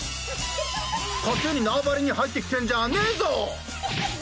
勝手に縄張りに入ってきてんじゃねーぞ！